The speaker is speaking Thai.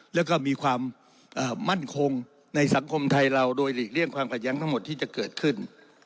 แล้วก็มีความมั่นคงในสังคมไทยเราโดยหลีกเลี่ยงความขัดแย้งทั้งหมดที่จะเกิดขึ้น